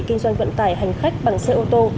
kinh doanh vận tải hành khách bằng xe ô tô